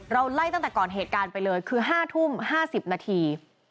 ไล่ตั้งแต่ก่อนเหตุการณ์ไปเลยคือ๕ทุ่ม๕๐นาที